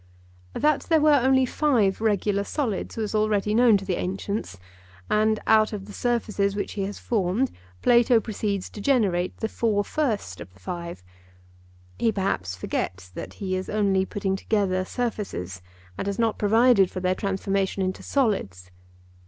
That there were only five regular solids was already known to the ancients, and out of the surfaces which he has formed Plato proceeds to generate the four first of the five. He perhaps forgets that he is only putting together surfaces and has not provided for their transformation into solids.